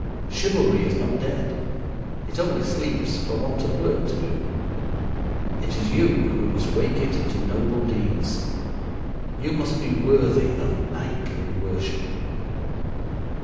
Chivalry is not dead: it only sleeps for want of work to do. It is you who must wake it to noble deeds. You must be worthy of knightly worship.